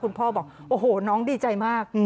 พ่อบอกโอ้โหน้องดีใจมาก